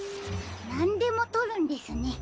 なんでもとるんですね。